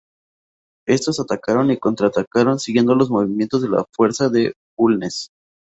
Estos atacaron y contraatacaron siguiendo los movimientos de las fuerza de Bulnes.